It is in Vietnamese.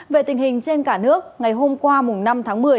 về tình hình trên cả nước ngày hôm qua năm tháng một mươi